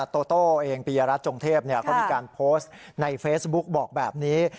โตโต้เองปียรัฐจงเทพเขามีการโพสต์ในเฟซบุ๊กบอกแบบนี้